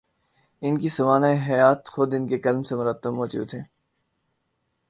ان کی سوانح حیات، خود ان کے قلم سے مرتب موجود ہے۔